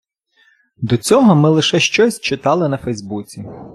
До цього ми лише щось читали на фейсбуці.